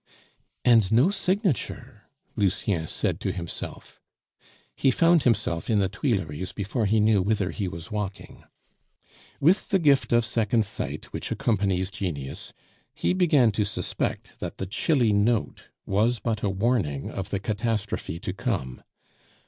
"And no signature!" Lucien said to himself. He found himself in the Tuileries before he knew whither he was walking. With the gift of second sight which accompanies genius, he began to suspect that the chilly note was but a warning of the catastrophe to come.